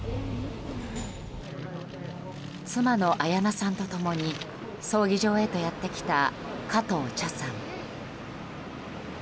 妻の綾菜さんと共に葬儀場へとやってきた加藤茶さん。